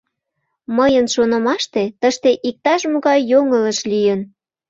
— Мыйын шонымаште, тыште иктаж-могай йоҥылыш лийын.